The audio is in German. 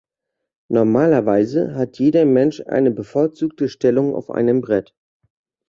Normalerweise hat jeder Mensch eine bevorzugte Stellung auf einem Brett.